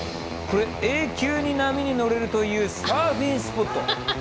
これ永久に波に乗れるというサーフィンスポット。